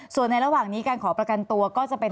ส่วนในระหว่างนี้การขอประกันตัวก็จะเป็น